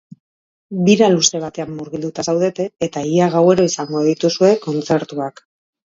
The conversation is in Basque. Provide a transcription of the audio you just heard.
Bira luze batean murgilduta zaudete, eta ia gauero izango dituzue kontzertuak.